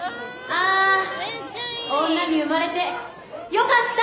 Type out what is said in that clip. あぁ女に生まれて良かった！